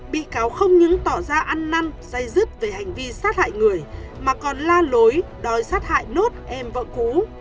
bị cáo không những tỏ ra ăn năn dây dứt về hành vi sát hại người mà còn la lối đói sát hại nốt em vợ cũ